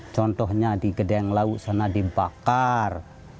contohnya di gedeng laut sana dibakar